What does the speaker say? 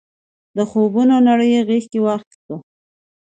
د خوبونو نړۍ غېږ کې واخیستو.